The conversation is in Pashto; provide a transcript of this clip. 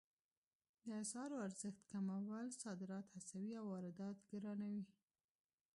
د اسعارو ارزښت کمول صادرات هڅوي او واردات ګرانوي